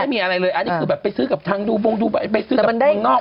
อันนั้นไม่มีอะไรเลยอันนี้คือแบบไปซื้อกับทางดูบงดูบายไปซื้อกับข้างนอก